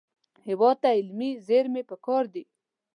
هېواد ته علمي زېرمې پکار دي